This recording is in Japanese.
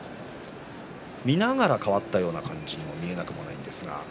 見ながら変わったような感じに見えなくもありません。